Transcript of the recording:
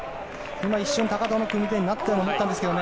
今、一瞬、高藤の組み手になったと思ったんですけどね。